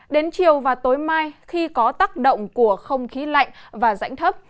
đến chiều và tối mai khi có tác động của không khí lạnh và rãnh thấp